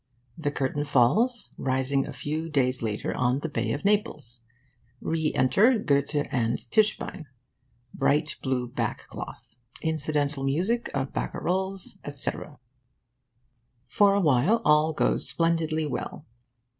The curtain falls, rising a few days later on the Bay of Naples. Re enter Goethe and Tischbein. Bright blue back cloth. Incidental music of barcaroles, etc. For a while, all goes splendidly well.